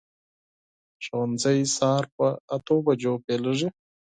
ښوونځی سهار په اتو بجو پیلېږي.